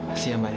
masih aman ya